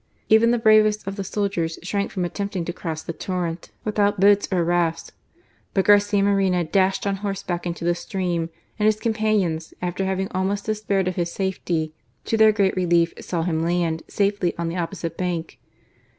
Even the bravest of the soldiers shrank from attempt ing to cross the torrent without boats or rafts. But Garcia Moreno dashed on horseback into the stream, and his companions, after having almost despaired of his safety, to their great relief saw him land THE CATASTROPHE AT IBARRA. 189 safely on the opposite bank.